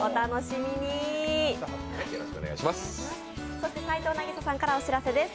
そして齊藤なぎささんからお知らせです。